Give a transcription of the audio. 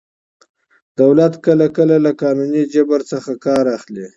دولت کله کله له قانوني جبر څخه کار اخلي.